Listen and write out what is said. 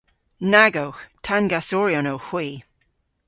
Nag owgh. Tangasoryon owgh hwi.